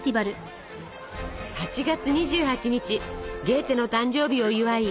８月２８日ゲーテの誕生日を祝い